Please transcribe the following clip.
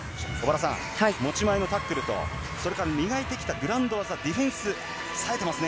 持ち前のタックルと磨いてきたグラウンド技、ディフェンス、さえていますね。